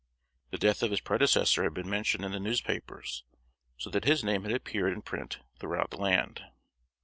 The death of his predecessor had been mentioned in the newspapers, so that his name had appeared in print throughout the land.